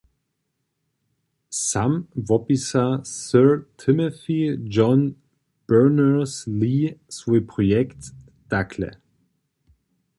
Sam wopisa Sir Timothy John Berners-Lee swój projekt takle.